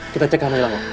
kita cek ke halaman